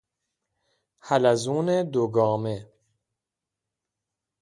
حلزون دو گامه